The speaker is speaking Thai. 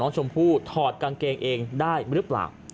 ชมพู่ถอดกางเกงเองได้หรือเปล่า